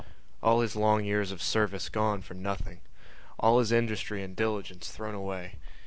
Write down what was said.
All his long years of service gone for nothing! All his industry and diligence thrown away!